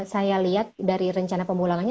saya lihat dari rencana pemulangannya